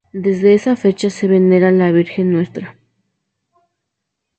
Desde esa fecha se venera la Virgen Ntra.